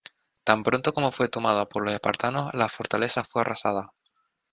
Tan pronto como fue tomada por los espartanos, la fortaleza fue arrasada.